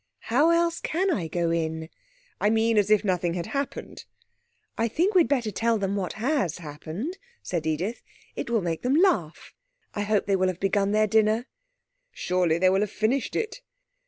'How else can I go in?' 'I mean as if nothing had happened.' 'I think we'd better tell them what has happened,' said Edith; 'it will make them laugh. I hope they will have begun their dinner.' 'Surely they will have finished it.'